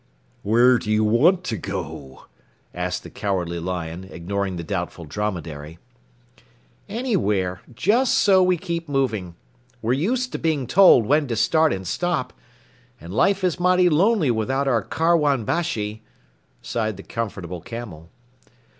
"Where do you want to go?" asked the Cowardly Lion, ignoring the Doubtful Dromedary. "Anywhere, just so we keep moving. We're used to being told when to start and stop, and life is mighty lonely without our Karwan Bashi," sighed the Comfortable Camel.